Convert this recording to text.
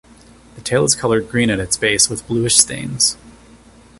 The tail is coloured green at its base, with bluish stains.